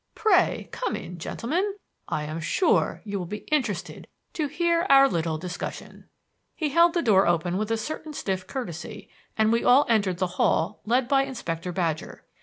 Pray, come in, gentlemen. I am sure you will be interested to hear our little discussion." He held the door open with a certain stiff courtesy, and we all entered the hall led by Inspector Badger.